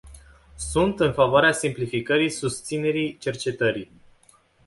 Sunt în favoarea simplificării susținerii cercetării.